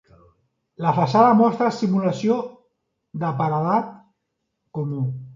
La façana mostra simulació de paredat comú.